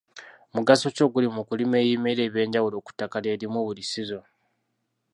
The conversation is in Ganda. Mugaso ki oguli mu kulima ebimera eby'enjawulo ku ttaka lye limu buli sizoni?